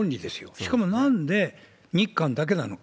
しかもなんで日韓だけなのか。